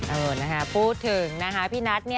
เออนะคะพูดถึงนะคะพี่นัท